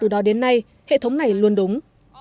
từ đó đến nay hệ thống này luôn đúng